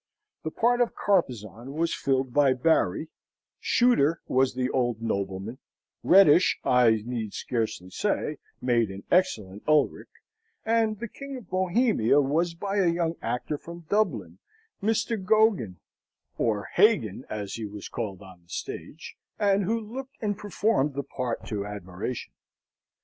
The part of Carpezan was filled by Barry, Shuter was the old nobleman, Reddish, I need scarcely say, made an excellent Ulric, and the King of Bohemia was by a young actor from Dublin, Mr. Geoghegan, or Hagan as he was called on the stage, and who looked and performed the part to admiration.